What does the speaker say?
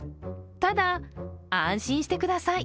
ただ安心してください